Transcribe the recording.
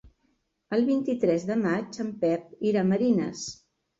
El vint-i-tres de maig en Pep irà a Marines.